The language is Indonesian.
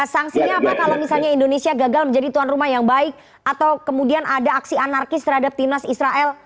sanksinya apa kalau misalnya indonesia gagal menjadi tuan rumah yang baik atau kemudian ada aksi anarkis terhadap timnas israel